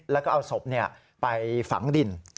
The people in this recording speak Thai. แล้วก็เอาศพไปฝังดิน